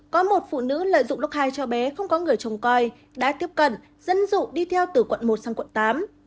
có một phụ nữ lợi dụng lúc hai cho bé không có người trông coi đã tiếp cận dẫn dụ đi theo từ quận một sang quận tám